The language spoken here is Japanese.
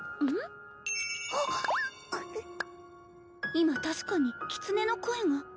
今確かにキツネの声が。